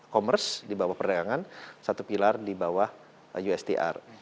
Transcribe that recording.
komers di bawah perdagangan satu pilar di bawah ustr